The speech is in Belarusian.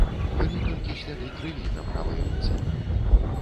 Былі толькі сляды крыві на правай руцэ.